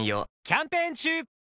キャンペーン中！